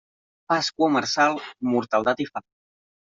Pasqua marçal, mortaldat i fam.